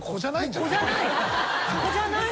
子じゃない。